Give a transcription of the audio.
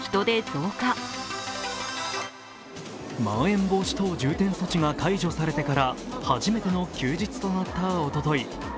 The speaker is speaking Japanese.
まん延防止等重点措置が解除されてから初めての休日となったおととい。